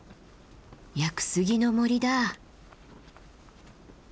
屋久杉の森だ。